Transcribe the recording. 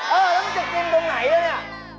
เออแล้วจะเต็มตรงไหนอะครับ